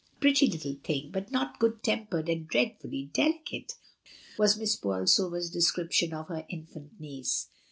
"A pretty little thing, but not good tempered, and dreadfully delicate," was Miss Bolsover's description of her in fant niece.